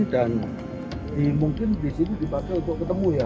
dan mungkin di sini dibakar untuk ketemu ya